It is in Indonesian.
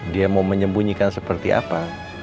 dia mau menyembunyikan seperti apa